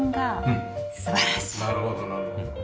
なるほどなるほど。